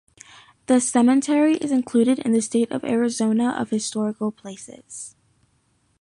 The cemetery is included in the State of Arizona of Historical Places.